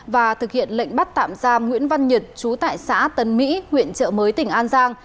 và thực hiện lệnh bắt tạm giam nguyễn văn nhật chú tại xã tân mỹ huyện trợ mới tỉnh an giang